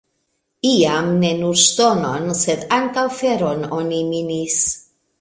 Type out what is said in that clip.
Iam ne nur ŝtonon, sed ankaŭ feron oni minis.